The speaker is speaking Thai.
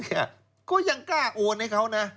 ก็ยังกล้าโอนให้เขานะ